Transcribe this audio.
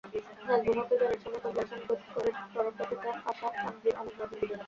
নাজমুল হকের গানের সময় তবলায় সংগত করেন টরন্টো থেকে আসা তানজীর আলম রাজীব।